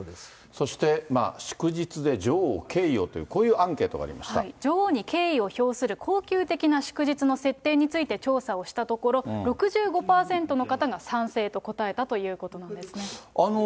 そして祝日で女王に敬意をという、こういうアンケートがあり女王に敬意を表する恒久的な祝日の設定について、調査をしたところ、６５％の方が賛成と答えたということなんですね。